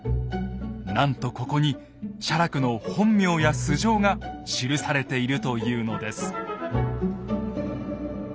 なんとここに写楽の本名や素性が記されているというのです。